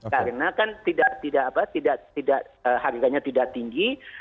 karena kan tidak harganya tidak tinggi